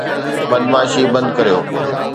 بدمعاشي بند ڪريو